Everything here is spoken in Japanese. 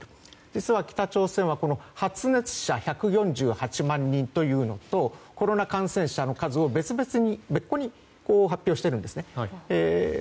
実は北朝鮮は発熱者１４８万人というのとコロナ感染者を別々に発表しているんですね。